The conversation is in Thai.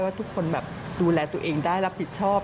ทุกคนแบบดูแลตัวเองได้รับผิดชอบ